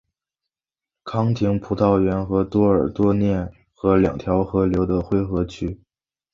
康廷葡萄园和多尔多涅河两条河流的汇合区。